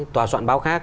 tòa soạn báo khác